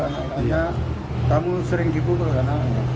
anak anaknya kamu sering dibukul kan